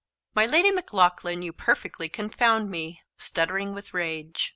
_ "My Lady Maclaughlan, you perfectly confound me," stuttering with rage.